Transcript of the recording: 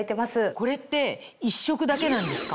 これって１色だけなんですか？